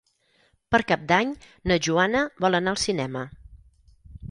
Per Cap d'Any na Joana vol anar al cinema.